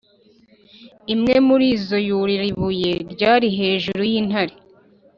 imwe muri zo yurira ibuye ryari hejuru y'intare